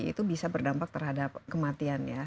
itu bisa berdampak terhadap kematian ya